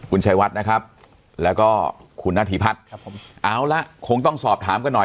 คุณชัยวัดนะครับแล้วก็คุณนาธิพัฒน์ครับผมเอาละคงต้องสอบถามกันหน่อย